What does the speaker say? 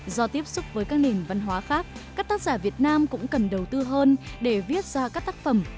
do tiếp xúc với các nền văn hóa khác các tác giả việt nam cũng cần đầu tư hơn để viết ra các tác phẩm